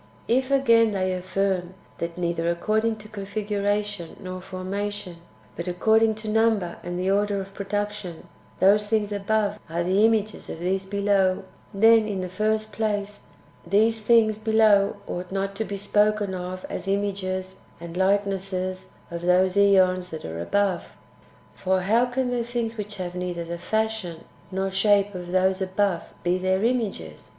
7. If, again, they affirm that neither according to configura tion nor formation, but according to number and the order of production, those things [above] are the images [of these below], then, in the first place, these things [below] ought not to be spoken of as images and likenesses of those ^ons that are above. For how can the things which have neither the fashion nor shape of those [above] be their images